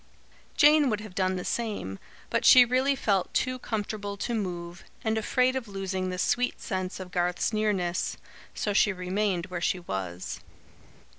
Jane would have done the same, but she really felt too comfortable to move, and afraid of losing the sweet sense of Garth's nearness. So she remained where she was.